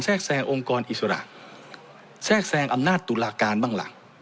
แทรกแซงองค์กรอิสระแทรกแซงอำนาจตุลาการบ้างล่ะ